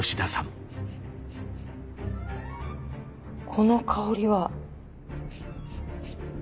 この香りは。